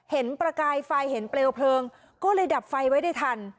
ประกายไฟเห็นเปลวเพลิงก็เลยดับไฟไว้ได้ทัน